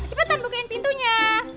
cepetan bukein pintunya